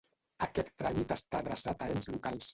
Aquest tràmit està adreçat a ens locals.